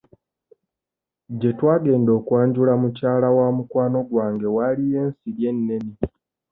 Gye twagenda okwanjula mukyala wa mukwano gwange waaliyo ensiri ennene.